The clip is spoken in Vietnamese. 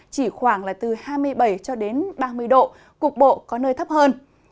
chỉ khoảng là từ hai mươi bảy ba mươi độ cục bộ có nơi thấp hơn